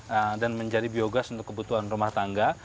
nah dan menjadi biogas untuk kebutuhan rumah tangga